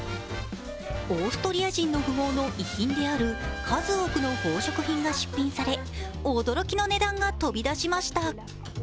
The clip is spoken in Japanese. オーストリア人の富豪の遺品である数多くの宝飾品が出品され驚きの値段が飛び出しました。